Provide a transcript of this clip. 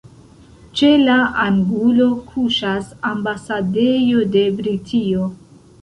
Ĉe la angulo kuŝas ambasadejo de Britio.